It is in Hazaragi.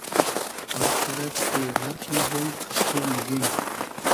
آر کئرئد کی غئرق موشوم قئد خو موگیم